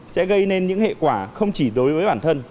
sẽ gây nên những hệ quả không chỉ đối với bản thân